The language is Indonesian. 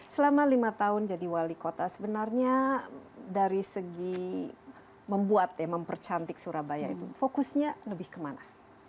selama lima tahun jadi wali kota sebenarnya dari segi membuat ya mempercantik surabaya itu fokusnya lebih kemana